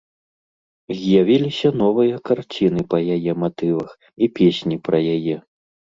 З'явіліся новыя карціны па яе матывах і песні пра яе.